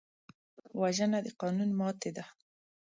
وژنه د قانون ماتې ده